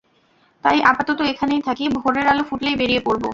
তাই আপাতত এখানেই থাকি, ভোরের আলো ফুটলেই বেরিয়ে পড়বো।